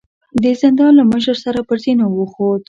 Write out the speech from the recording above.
د زندان له مشر سره پر زينو وخوت.